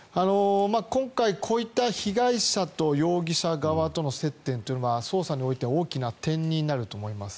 今回、こういった被害者と容疑者側との接点というのは捜査においては大きな点になると思います。